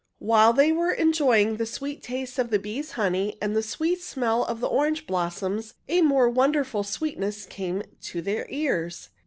While they were enjoying the sweet taste of the bees' honey and the sweet smell of the orange blossoms, a more wonderful sweetness came to their ears.